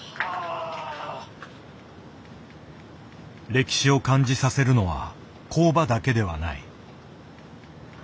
歴史を感じさせるのは工場だけではない。